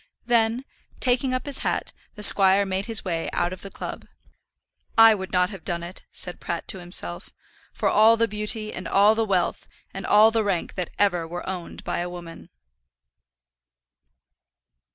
Then, taking up his hat, the squire made his way out of the club. "I would not have done it," said Pratt to himself, "for all the beauty, and all the wealth, and all the rank that ever were owned by a woman."